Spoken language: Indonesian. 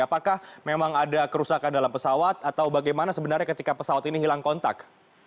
apakah memang ada kerusakan dalam pesawat atau bagaimana sebenarnya ketika pesawat ini hilang kontak